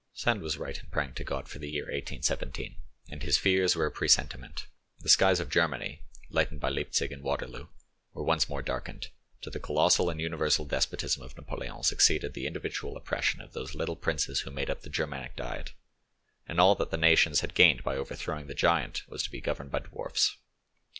Sand was right in praying to God for the year 1817, and his fears were a presentiment: the skies of Germany, lightened by Leipzig and Waterloo, were once more darkened; to the colossal and universal despotism of Napoleon succeeded the individual oppression of those little princes who made up the Germanic Diet, and all that the nations had gained by overthrowing the giant was to be governed by dwarfs.